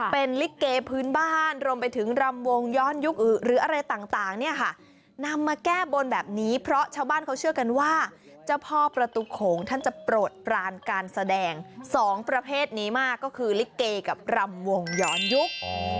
เป็นลิเกพื้นบ้านรวมไปถึงรำวงย้อนยุคหรืออะไรต่างเนี่ยค่ะนำมาแก้บนแบบนี้เพราะชาวบ้านเขาเชื่อกันว่าเจ้าพ่อประตูโขงท่านจะโปรดปรานการแสดงสองประเภทนี้มากก็คือลิเกกับรำวงย้อนยุค